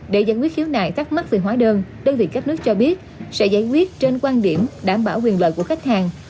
để giải quyết khiếu nại thắc mắc về hóa đơn đơn vị cấp nước cho biết sẽ giải quyết trên quan điểm đảm bảo quyền lợi của khách hàng